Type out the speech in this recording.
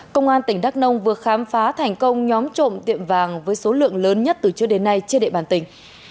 công an tỉnh đắk nông vừa khám phá thành công nhóm trộm tiệm vàng với số lượng lớn nhất từ trước đến nay trên địa bàn tỉnh